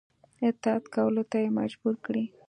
اطاعت کولو ته یې مجبور کړي.